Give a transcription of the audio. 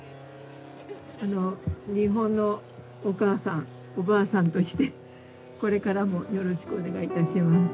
日本のお母さんおばあさんとしてこれからもよろしくお願いいたします。